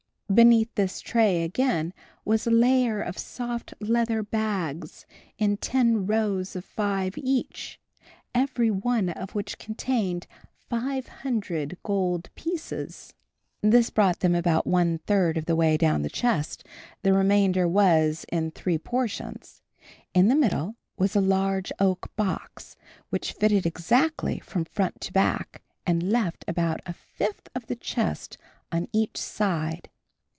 Beneath this tray again was a layer of soft leather bags in ten rows of five each, every one of which contained five hundred gold pieces. This brought them about one third of the way down the chest. The remainder was in three portions. In the middle was a large oak box, that exactly fitted from front to back, and left about a fifth of the chest on each side.